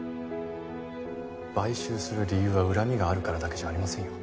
買収する理由は恨みがあるからだけじゃありませんよ。